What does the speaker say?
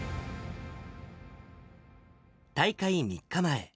大会３日前。